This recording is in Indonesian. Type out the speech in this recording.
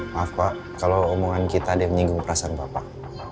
maaf pak kalau omongan kita ada yang menyinggung perasaan bapak